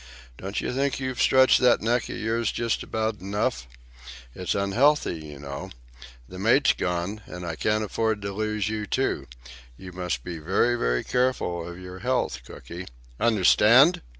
"Don't you think you've stretched that neck of yours just about enough? It's unhealthy, you know. The mate's gone, so I can't afford to lose you too. You must be very, very careful of your health, Cooky. Understand?"